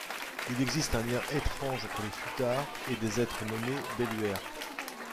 Il existe un lien étrange entre les Futars et des êtres nommés Belluaires.